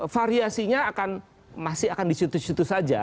variasinya akan masih akan disitu situ saja